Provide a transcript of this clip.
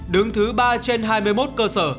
đứng thứ ba trên hai mươi một cơ sở